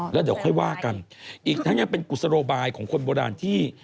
แล้วเดี๋ยวค่อยว่ากันอีกทั้งยังเป็นกุศโลบายของคนโบราณที่